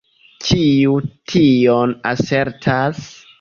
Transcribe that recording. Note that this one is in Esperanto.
Kiu tion asertas?